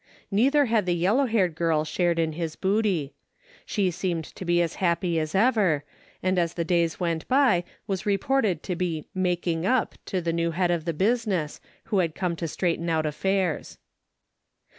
Neither had the yellow haired girl shared in his booty. She seemed to be as happy as ever, and as the days went by was reported to be '' making up " to the new head of the business, who had come to straighten out affairs.